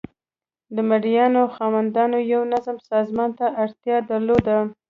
د مرئیانو خاوندانو یو منظم سازمان ته اړتیا درلوده.